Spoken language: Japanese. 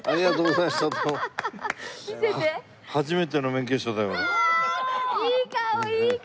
いい顔いい顔。